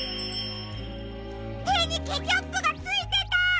てにケチャップがついてた！